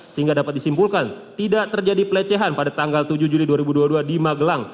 sehingga dapat disimpulkan tidak terjadi pelecehan pada tanggal tujuh juli dua ribu dua puluh dua di magelang